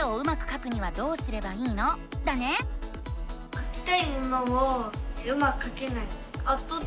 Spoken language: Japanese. かきたいものをうまくかけない。